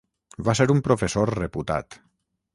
Va ser un professor reputat.